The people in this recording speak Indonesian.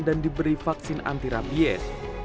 dan diberi vaksin antirabies